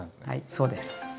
はいそうです。